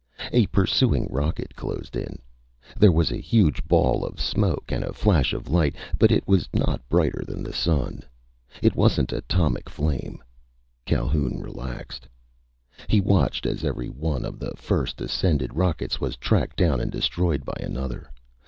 A pursuing rocket closed in. There was a huge ball of smoke and a flash of light, but it was not brighter than the sun. It wasn't atomic flame. Calhoun relaxed. He watched as every one of the first ascended rockets was tracked down and destroyed by another.